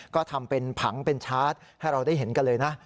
ก็ทำเป็นผังเป็นชาร์จให้เราได้เห็นกันเลยนะ